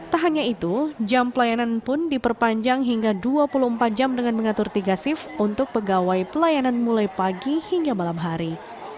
tak hanya itu jam pelayanan pun diperpanjang hingga dua puluh empat jam dengan mengatur tiga shift untuk pegawai pelayanan mulai pagi hingga malam hari